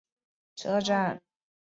二户车站所共用的铁路车站。